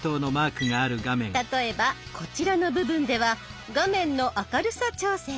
例えばこちらの部分では画面の明るさ調整。